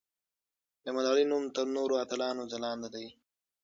د ملالۍ نوم تر نورو اتلانو ځلانده دی.